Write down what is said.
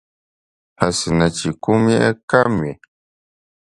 هسې نه چې کوم يې کم وي